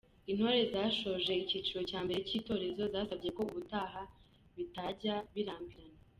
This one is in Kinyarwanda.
Intore zasoje icyiciro cya mbere cy’Itorero zasabye ko ubutaha bitajya birambirana.